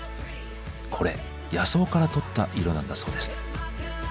これ野草からとった色なんだそうです。